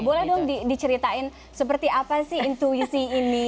boleh dong diceritain seperti apa sih intuisi ini